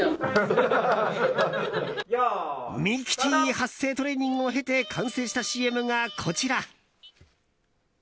発声トレーニングを経て完成したＣＭがこちら。